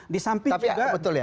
tapi betul ya